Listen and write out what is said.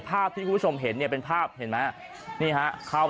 ภาพที่คุณผู้ชมเห็นเนี้ยเป็นภาพเห็นไมะ